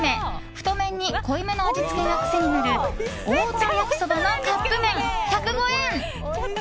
太麺に濃いめの味付けが癖になる太田やきそばのカップ麺１０５円。